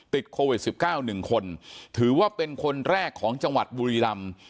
ติดโควิด๑๙๑คนถือว่าเป็นคนแรกของจังหวัดบุรีรำ